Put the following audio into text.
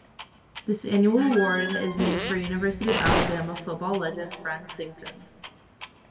This annual award is named for University of Alabama football legend Fred Sington.